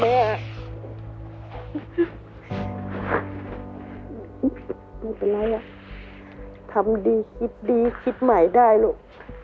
ไม่เป็นไรอ่ะทำดีคิดดีคิดใหม่ได้ลูก